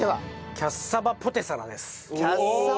キャッサバポテサラ。